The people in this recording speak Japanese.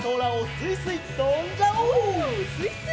すいすい！